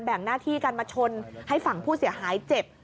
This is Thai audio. งหน้าที่กันมาชนให้ฝั่งผู้เสียหายเจ็บ